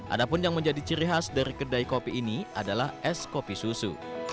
ada pun yang menjadi ciri khas dari kedai kopi ini adalah es kopi susu